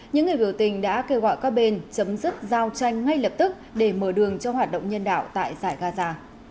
những người biểu tình đã kêu gọi các bên chấm dứt giao tranh ngay lập tức để mở đường cho hoạt động nhân đạo tại giải gaza